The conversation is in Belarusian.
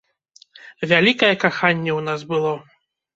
Вялікае каханне ў нас было.